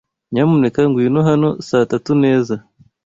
Nyamuneka ngwino hano saa tatu neza